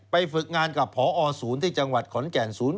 ฝึกงานกับพอศูนย์ที่จังหวัดขอนแก่น